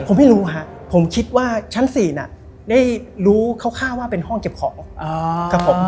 ผมไม่รู้ฮะผมคิดว่าชั้น๔ได้รู้ค่าว่าเป็นห้องเก็บของ